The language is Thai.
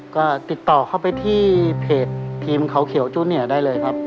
ก็ติดต่อเข้าไปที่เพจทีมเขาเขียวจูเนียได้เลยครับ